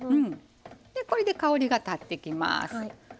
これで香りが立ってきます。